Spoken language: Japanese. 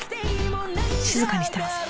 静かにしてますね。